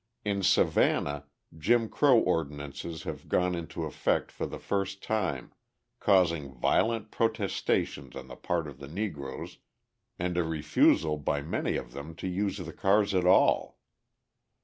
In Savannah Jim Crow ordinances have gone into effect for the first time, causing violent protestations on the part of the Negroes and a refusal by many of them to use the cars at all.